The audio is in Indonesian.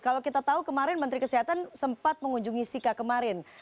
kalau kita tahu kemarin menteri kesehatan sempat mengunjungi sika kemarin